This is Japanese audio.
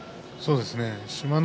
志摩ノ